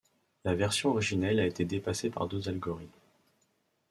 La version originelle a été dépassée par d'autres algorithmes.